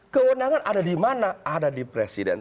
kewenangan ada di mana ada di presiden